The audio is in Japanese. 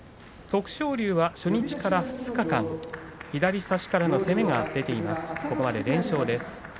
徳勝龍は初日から２日間左からの攻めが出ています連勝です。